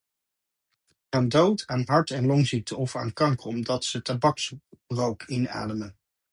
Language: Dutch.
Ze gaan dood aan hart- of longziekten of aan kanker omdat ze tabaksrook inademen.